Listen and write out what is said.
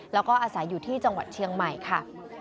แล้วก็อาศัยอยู่ที่จังหวัดเชียงใหม่ค่ะ